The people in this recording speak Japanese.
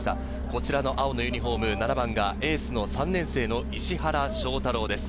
こちらの青のユニホーム、７番がエースの３年生の石原翔太郎です。